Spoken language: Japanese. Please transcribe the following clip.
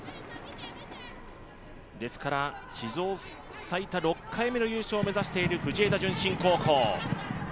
史上最多６度目の優勝を目指している藤枝順心高校。